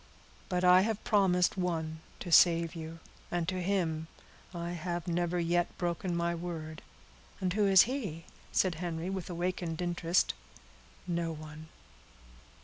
"But I have promised one to save you, and to him I have never yet broken my word." "And who is he?" said Henry, with awakened interest. "No one."